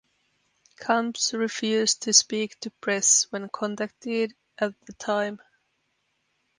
Combs refused to speak to press when contacted at the time.